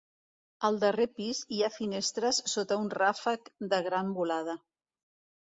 Al darrer pis hi ha finestres sota un ràfec de gran volada.